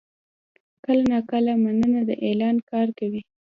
کله ناکله «مننه» د اعلان کار کوي.